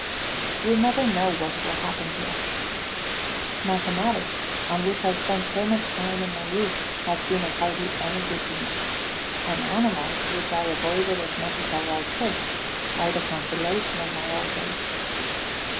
We never know what will happen to us. Mathematics, on which I spent so much time in my youth, has been of hardly any good to me; and animals, which I avoided as much as ever I could, are the consolation of my old age.